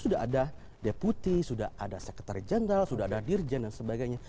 sudah ada sekretary general sudah ada sekretary general sudah ada sekretary general sudah ada dirjen dan sebagainya